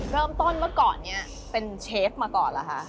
เริ่มต้นเมื่อก่อนนี้เป็นเชฟมาก่อนเหรอคะ